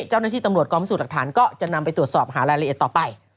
เจ้าหน้าที่ตำรวจกองพิสูจน์หลักฐานก็จะนำไปตรวจสอบหารายละเอียดต่อไป